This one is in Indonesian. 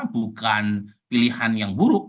bukan pilihan yang buruk